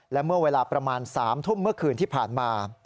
และเมื่อเวลาประมาณ๓ทุ่มเมื่อคืนที่ผ่านมา